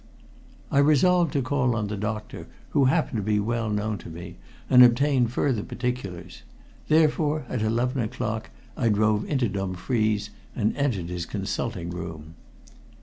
I resolved to call on the doctor, who happened to be well known to me, and obtain further particulars. Therefore at eleven o'clock I drove into Dumfries and entered his consulting room.